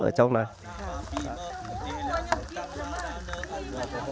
có một điều ngạc nhiên